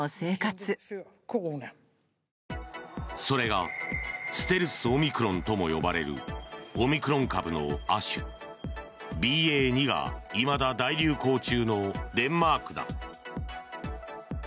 それがステルス・オミクロンとも呼ばれるオミクロン株の亜種ＢＡ．２がいまだ大流行中のデンマークだ。